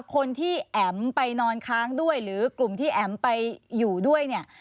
คนที่แอ๋มไปนอนค้างด้วยหรือกลุ่มที่แอ๋มไปอยู่ด้วยเนี่ย